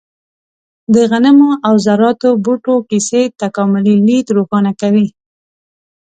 د غنمو او ذراتو بوټو کیسې تکاملي لید روښانه کوي.